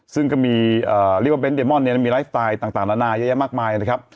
ซึ่งก็มีเรียกว่าเบนเดมอนเนี่ยมีไลฟ์ไตล์ต่างละนามากมายนะครับ